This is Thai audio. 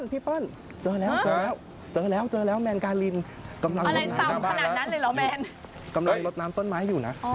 พี่เปิ้ลเจอแล้วแมนการินอะไรต่ำขนาดนั้นเลยเหรอแมนกำลังลดน้ำต้นไม้อยู่นะ